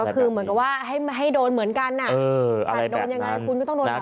คือเหมือนกับว่าให้โดนเหมือนกันสัตว์โดนยังไงคุณก็ต้องโดนต่อ